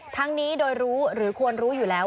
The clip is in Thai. ทั้งนี้โดยรู้หรือควรรู้อยู่แล้ว